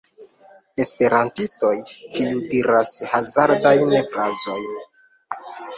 Esperantistoj kiu diras hazardajn frazojn